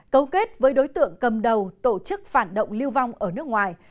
cấu kết với đối tượng cầm đầu tổ chức phản động lưu vong ở nước ngoài